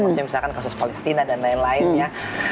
maksudnya misalkan kasus palestina dan lain lain ya